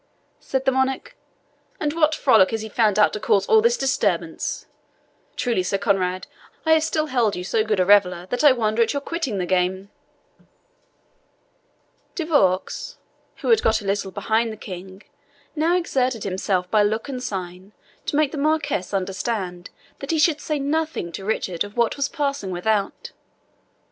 said the monarch. "And what frolic has he found out to cause all this disturbance? Truly, Sir Conrade, I have still held you so good a reveller that I wonder at your quitting the game." De Vaux, who had got a little behind the King, now exerted himself by look and sign to make the Marquis understand that he should say nothing to Richard of what was passing without.